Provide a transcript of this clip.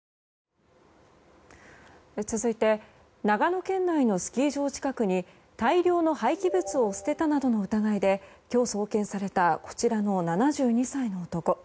続いて長野県内のスキー場近くに大量の廃棄物を捨てたなどの疑いで今日、送検されたこちらの７２歳の男。